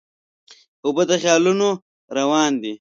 اوبه د خیالونو روان دي.